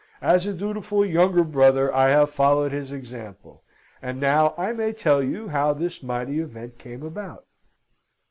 As a dutiful younger brother I have followed his example; and now I may tell you how this mighty event came about.